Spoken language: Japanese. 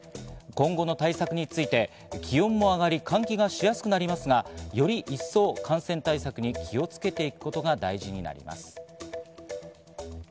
今後の対策について、気温も上がり、換気がしやすくなりますが、より一層、感染対策に気をつけていくことが大事になります。